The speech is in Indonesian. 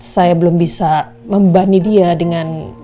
saya belum bisa membani dia dengan